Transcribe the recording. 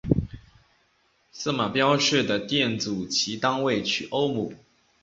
色码标示的电阻其单位取欧姆。